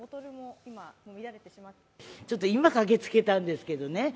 今、駆けつけたんですけどね。